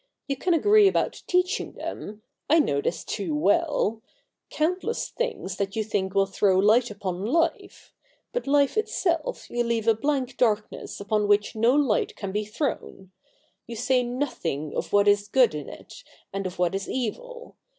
You can agree about teaching them — I know this too well — countless things that you think will throw light upon life ; but life itself you leave a blank darkness upon which no light can be thrown. You say nothing of what is good in it, and of what is evil.